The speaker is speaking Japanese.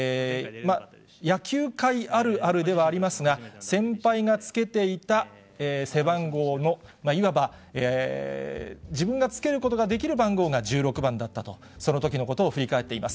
野球界あるあるではありますが、先輩がつけていた背番号の、いわば、自分がつけることができる番号が１６番だったと、そのときのことを振り返っています。